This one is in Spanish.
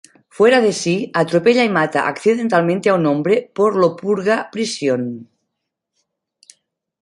Fuera de sí, atropella y mata accidentalmente a un hombre por lo purga prisión.